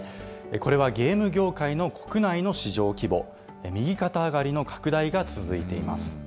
これはゲーム業界の国内の市場規模、右肩上がりの拡大が続いています。